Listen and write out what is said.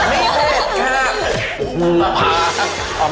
ไม่เผ็ดค่ะ